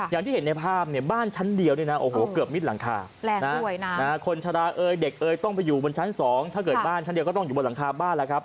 อย่างที่เห็นในภาพเนี่ยบ้านชั้นเดียวเนี่ยนะโอ้โหเกือบมิดหลังคา